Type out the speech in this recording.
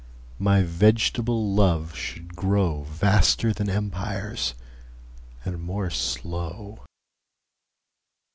My vegetable Love should growVaster then Empires, and more slow.